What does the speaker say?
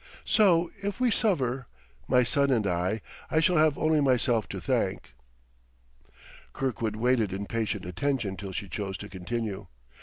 So, if we suffer, my son and I, I shall have only myself to thank!" Kirkwood waited in patient attention till she chose to continue.